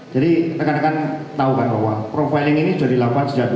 jadi rekan rekan tahu kan bahwa profiling ini sudah dilakukan sejak dua ribu dua puluh satu